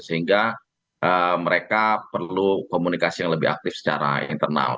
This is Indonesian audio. sehingga mereka perlu komunikasi yang lebih aktif secara internal